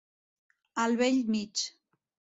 Al bell mig.